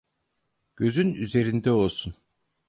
Gözün üzerinde olsun.